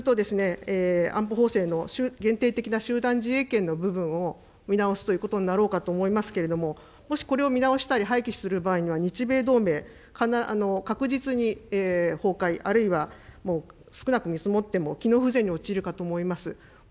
そうすると、安保法制の限定的な集団自衛権の部分を見直すということになろうかと思いますけれども、もし、これを見直したり廃棄する場合には、日米同盟、確実に崩壊、あるいはもう、少なく見積もっても、機能不全に陥るかと思います。